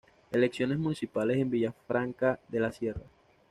Elecciones municipales en Villafranca de la Sierra.